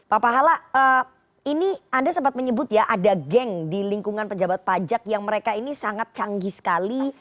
pak pahala ini anda sempat menyebut ya ada geng di lingkungan pejabat pajak yang mereka ini sangat canggih sekali